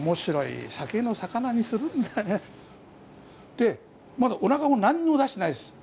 でまだおなかも何にも出してないです。